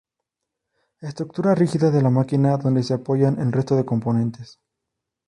Estructura rígida de la máquina donde se apoyan el resto de componentes.